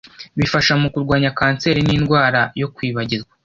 bifasha mu kurwanya kanseri n’indwara yo kwibagirwa